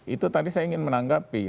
itu tadi saya ingin menanggapi